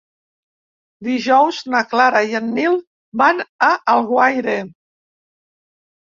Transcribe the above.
Dijous na Clara i en Nil van a Alguaire.